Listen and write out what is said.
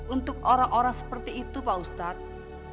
untuk orang orang seperti itu pak ustadz